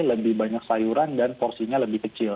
lebih banyak sayuran dan porsinya lebih kecil